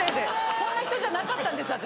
こんな人じゃなかったんです私。